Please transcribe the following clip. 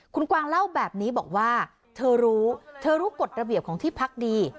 คุณกวางเล่าแบบนี้บอกว่าเธอรู้เธอรู้กฎระเบียบของที่พักดี